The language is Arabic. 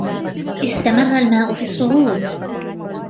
استمرّ الماء في الصّعود.